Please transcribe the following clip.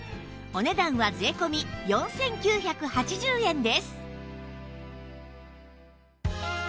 お値段は税込４９８０円です